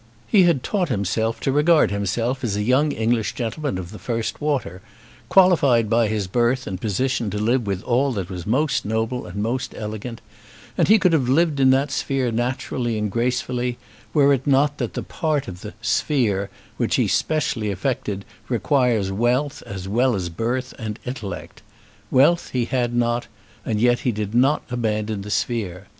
He had taught himself to regard himself as a young English gentleman of the first water, qualified by his birth and position to live with all that was most noble and most elegant; and he could have lived in that sphere naturally and gracefully were it not that the part of the "sphere" which he specially affected requires wealth as well as birth and intellect. Wealth he had not, and yet he did not abandon the sphere.